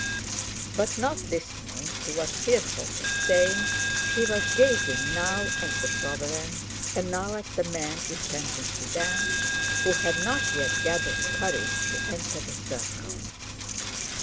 But not listening to what Firhoff was saying, he was gazing now at the sovereign and now at the men intending to dance who had not yet gathered courage to enter the circle.